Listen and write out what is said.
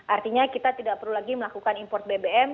artinya kita tidak perlu lagi melakukan import bbm